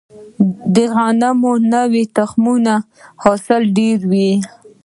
د غنمو نوي تخمونه حاصل ډیروي.